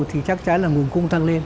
thì chắc chắn là nguồn cung tăng lên